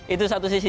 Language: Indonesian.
itu satu sisi